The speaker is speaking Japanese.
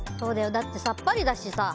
だってさっぱりだしさ。